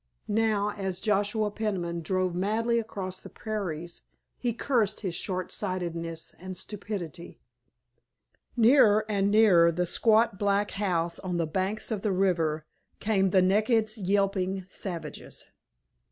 Now as Joshua Peniman drove madly across the prairies he cursed his short sightedness and stupidity. Nearer and nearer the squat black house on the banks of the river came the naked, yelping savages.